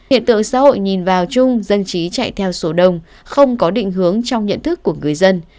hiện tượng xã hội nhìn vào chung dân trí chạy theo số đồng không có định hướng trong nhận thức của người dân